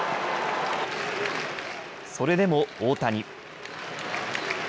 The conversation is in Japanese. それでも、大谷。